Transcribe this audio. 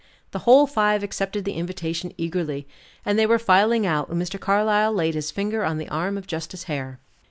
The whole five accepted the invitation eagerly. And they were filing out when Mr. Carlyle laid his finger on the arm of Justice Hare.